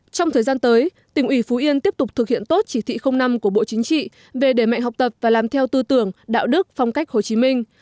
trong thời gian tới tỉnh ủy phú yên tiếp tục thực hiện tốt chỉ thị năm của bộ chính trị về đẩy mạnh học tập và làm theo tư tưởng đạo đức phong cách hồ chí minh